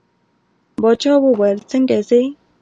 باچا وویل څنګه ځې.